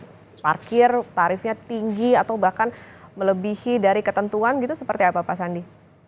kalau parkir tarifnya tinggi atau bahkan melebihi dari ketentuan gitu seperti apa pak sandi